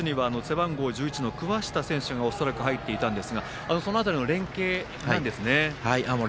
三塁側には背番号１１の桑下選手が恐らく入っていたんですがその辺りの連係なんですね。